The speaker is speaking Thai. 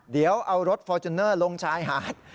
เดี๋ยวเอารถฟอร์จูเนอร์ลงชายหาด